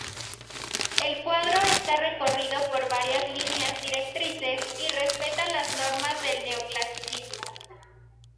El cuadro está recorrido por varias líneas directrices y respeta las normas del neoclasicismo.